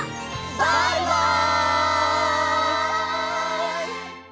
バイバイ！